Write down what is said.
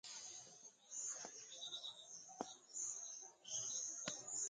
Ali yam akumiyo ba lala.